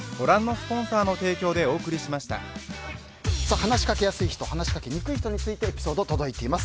話しかけやすい人話しかけにくい人についてエピソード届いています。